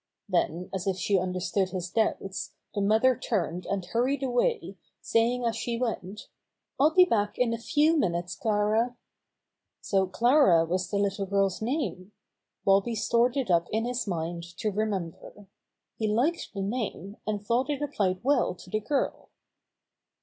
Then, as if she understood his doubts, the mother turned and hurried away, saying as she went: "I'll be back in a few minutes, Clara." So Clara was the little girl's name! Bobby stored it up in his mind to remember. He liked the name, and thought it applied well to the girl.